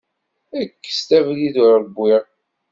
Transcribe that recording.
Kkes-d abrid ur wwiɣ.